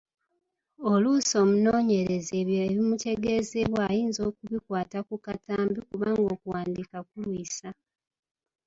Oluusi omunoonyereza ebyo ebimutegeezebwa ayinza okubikwata ku katambi kubanga okuwandiika kulwisa.